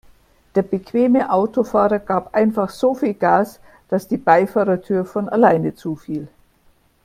Der bequeme Autofahrer gab einfach so viel Gas, dass die Beifahrertür von alleine zufiel.